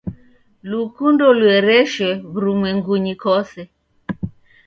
Kukundo luereshwe w'urumwengunyi kose.